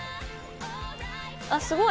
あっすごい！